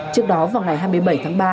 trước đó vào ngày hai mươi bảy tháng ba